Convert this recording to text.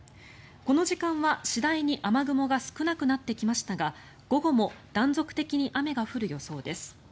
この時間は次第に雨雲が少なくなってきましたが午後も断続的に雨が降る予想です。